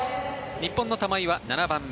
日本の玉井は７番目。